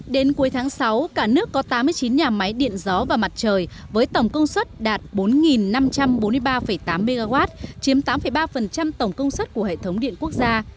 đến cuối tháng sáu cả nước có tám mươi chín nhà máy điện gió và mặt trời với tổng công suất đạt bốn năm trăm bốn mươi ba tám mw chiếm tám ba tổng công suất của hệ thống điện quốc gia